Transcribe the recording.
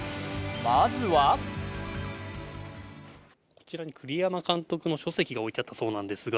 まずはこちらに栗山監督の書籍が置いてあったそうですが